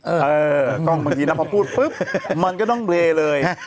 เออกล้องบางทีนะพอพูดปุ๊บมันก็ต้องเลเลย